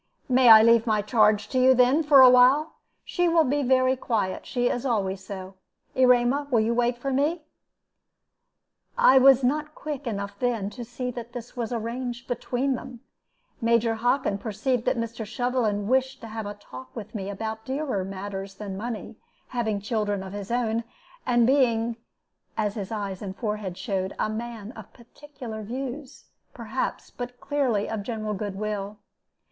"May I leave my charge to you, then, for a while? She will be very quiet; she is always so. Erema, will you wait for me?" I was not quick enough then to see that this was arranged between them. Major Hockin perceived that Mr. Shovelin wished to have a talk with me about dearer matters than money, having children of his own, and being (as his eyes and forehead showed) a man of peculiar views, perhaps, but clearly of general good will.